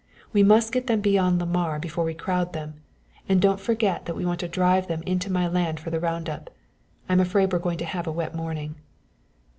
We must get them beyond Lamar before we crowd them; and don't forget that we want to drive them into my land for the round up. I'm afraid we're going to have a wet morning."